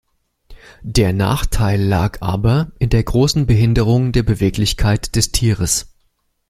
Der Nachteil lag aber in der großen Behinderung der Beweglichkeit des Tieres.